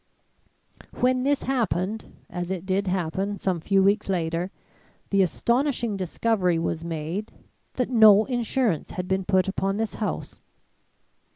When this happened, as it did happen, some few weeks later, the astonishing discovery was made that no insurance had been put upon this house.